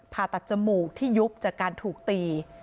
ผ่าตัดจมูกที่ยุบจากการถูกตี